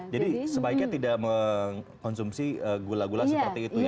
jadi sebaiknya tidak mengkonsumsi gula gula seperti itu ya